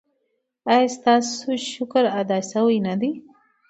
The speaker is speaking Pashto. ایا ستاسو شکر ادا شوی نه دی؟